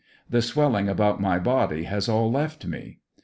The swelling about my body has all left me.